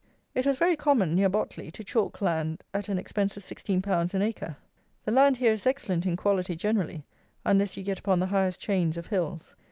It was very common, near Botley, to chalk land at an expense of sixteen pounds an acre. The land here is excellent in quality generally, unless you get upon the highest chains of hills.